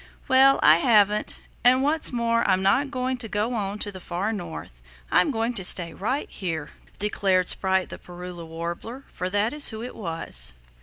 "Well, I haven't, and what's more I'm not going to go on to the Far North. I'm going to stay right here," declared Sprite the Parula Warbler, for that is who it was.